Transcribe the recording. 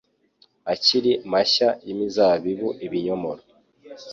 akiri mashya y’imizabibu, ibinyomoro,